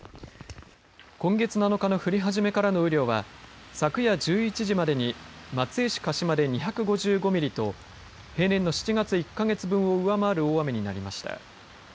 今月７日の降り始めからの雨量は昨夜１１時までに松江市鹿島で２５５ミリと平年の７月１か月分を上回る大雨になりました。